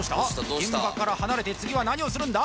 現場から離れて次は何をするんだ？